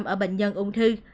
ở bệnh nhân ung thư